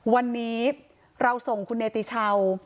วันนี้เราส่งคุณเนติชาว